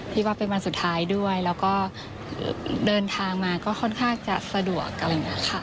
ที่ว่าเป็นวันสุดท้ายด้วย